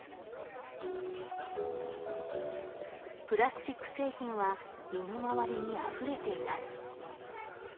プラスチック製品は身の回りにあふれています